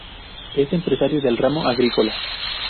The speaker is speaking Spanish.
Es empresario del ramo agrícola.